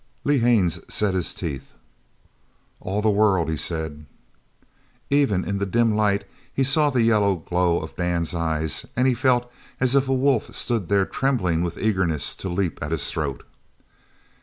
Lee Haines set his teeth. "All the world," he said. Even in the dim light he saw the yellow glow of Dan's eyes and he felt as if a wolf stood there trembling with eagerness to leap at his throat.